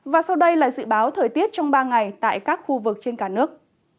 và sau đây là dự báo thời tiết trong ba ngày tại các khu vực trên cả nước